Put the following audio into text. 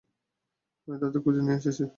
আমি তাদের খুজে নিয়ে এসেছি।